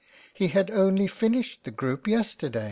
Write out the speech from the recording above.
He had only finished the group yesterday